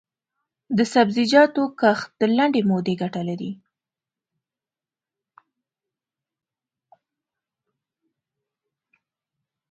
د سبزیجاتو کښت د لنډې مودې ګټه لري.